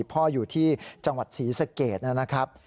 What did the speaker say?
พ่ออยู่ที่จังหวัดศรีสะเกดนะครับ